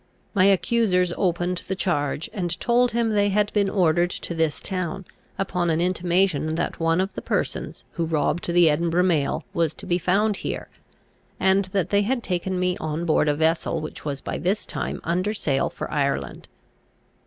My accusers opened the charge, and told him they had been ordered to this town, upon an intimation that one of the persons who robbed the Edinburgh mail was to be found here; and that they had taken me on board a vessel which was by this time under sail for Ireland.